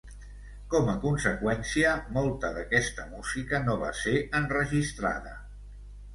Com a conseqüència, molta d'aquesta música no va ser enregistrada.